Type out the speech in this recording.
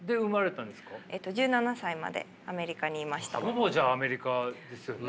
ほぼじゃあアメリカですよね。